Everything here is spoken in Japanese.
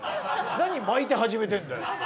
なに巻いて始めてんだよ。